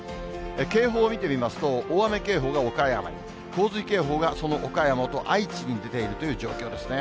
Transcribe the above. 警報を見てみますと、大雨警報が岡山に、洪水警報がその岡山と愛知に出ているという状況ですね。